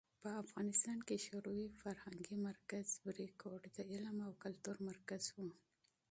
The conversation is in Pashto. په افغانستان کې شوروي فرهنګي مرکز "بریکوټ" د علم او کلتور مرکز و.